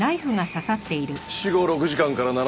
死後６時間から７時間。